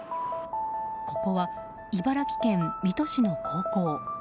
ここは茨城県水戸市の高校。